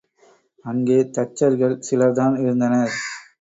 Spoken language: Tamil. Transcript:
அங்கே தச்சர்கள் சிலர்தான் இருந்தனர்.